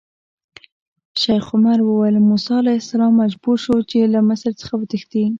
شیخ عمر ویل: موسی علیه السلام مجبور شو چې له مصر څخه وتښتي.